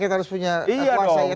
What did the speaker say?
harus punya kuasa